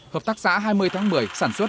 hợp tác xã hai mươi tháng một mươi sản xuất